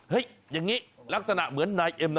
อย่างนี้ลักษณะเหมือนนายเอ็มนะ